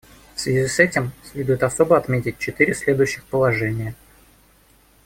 В связи с этим следует особо отметить четыре следующих положения.